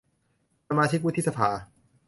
สมาชิกวุฒิสภา